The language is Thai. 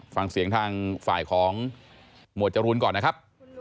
ฟังเสียงทางฝ่ายของหมวดจรูนก่อนนะครับ